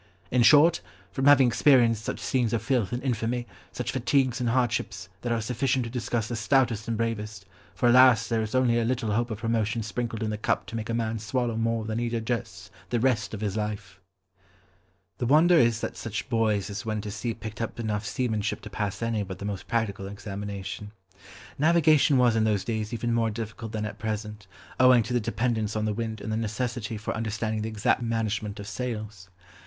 In short, from having experienced such scenes of filth and infamy, such fatigues and hardships, that are sufficient to disgust the stoutest and bravest, for alas there is only a little hope of promotion sprinkled in the cup to make a man swallow more than he digests the rest of his life." The wonder is that such boys as went to sea picked up enough seamanship to pass any but the most practical examination. Navigation was in those days even more difficult than at present, owing to the dependence on the wind and the necessity for understanding the exact management of sails.